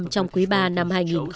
trong quý ba năm hai nghìn một mươi sáu